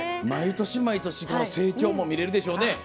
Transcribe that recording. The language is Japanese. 毎年毎年、成長も見れるでしょうね。